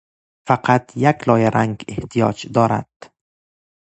فقط یک لایه رنگ احتیاج دارد.